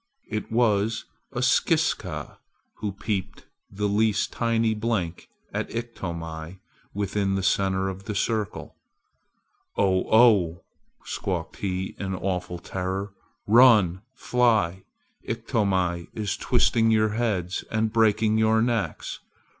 It was a Skiska who peeped the least tiny blink at Iktomi within the center of the circle. "Oh! oh!" squawked he in awful terror! "Run! fly! Iktomi is twisting your heads and breaking your necks!